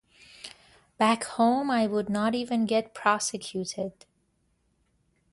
Back home I would not even get prosecuted.